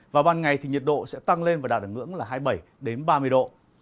và ban ngày thì nhiệt độ sẽ tăng lên và đạt được ngưỡng là hai mươi bảy ba mươi độ